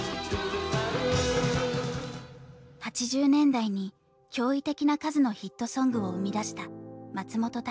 ８０年代に驚異的な数のヒットソングを生み出した松本隆。